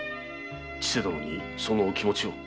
千世殿にそのお気持ちを。